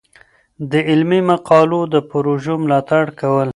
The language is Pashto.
د علمي مقالو د پروژو ملاتړ کول.